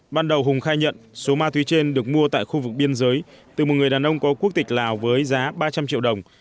ban đầu hùng khai nhận số ma túy trên được mua tại khu vực biên giới từ một người đàn ông có quốc tịch lào với giá ba trăm linh triệu đồng